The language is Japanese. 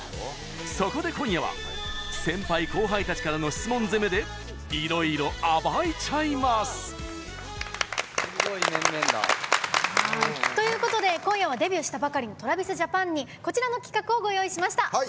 そこで今夜は先輩後輩たちからの質問攻めでいろいろ暴いちゃいます！ということで今夜はデビューしたばかりのＴｒａｖｉｓＪａｐａｎにこちらの企画をご用意しました。